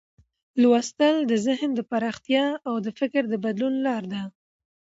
لوستل د ذهن د پراختیا او د فکر د بدلون لار ده.